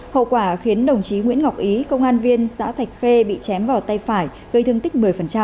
hậu quả khiến đồng chí nguyễn ngọc ý công an viên xã thạch khê bị chém vào tay phải gây thương tích một mươi